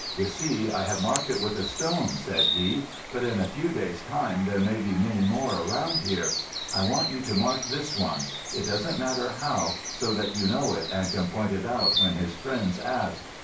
"You see, I have marked it with a stone," said he. "But in a few days' time there may be many around here. I want you to mark this one—it doesn't matter how, so that you know it and can point it out when his friends ask.